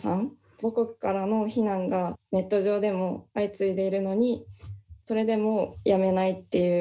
母国からの非難がネット上でも相次いでいるのにそれでもやめないっていう。